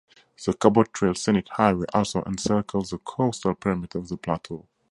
The Cabot Trail scenic highway also encircles the coastal perimeter of the plateau.